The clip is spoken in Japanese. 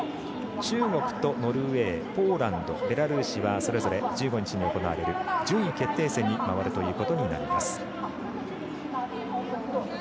中国とノルウェー、ポーランドベラルーシはそれぞれ１５日に行われる順位決定戦に回るということになります。